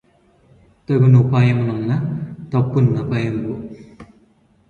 తగు నుపాయమున్న తప్పు నపాయంబు